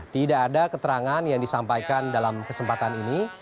tidak ada keterangan yang disampaikan dalam kesempatan ini